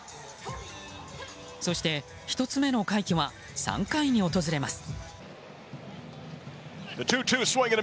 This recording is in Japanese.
そして１つ目の快挙は３回に訪れます。